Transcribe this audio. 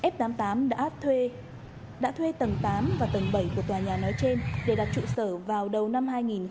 f tám mươi tám đã thuê tầng tám và tầng bảy của tòa nhà nói trên để đặt trụ sở vào đầu năm hai nghìn hai mươi